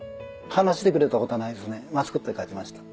話してくれたことはないですね『マスコット』に書いてました。